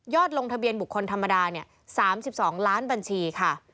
ลงทะเบียนบุคคลธรรมดา๓๒ล้านบัญชีค่ะ